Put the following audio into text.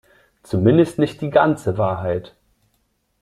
Zumindest nicht die ganze Wahrheit.